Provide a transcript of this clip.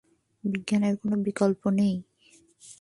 বিজ্ঞানের কোনো বিকল্প নেই।